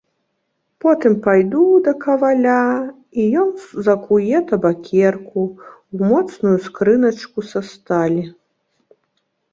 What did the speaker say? Потым пайду да каваля, і ён закуе табакерку ў моцную скрыначку са сталі.